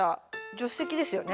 助手席ですよね？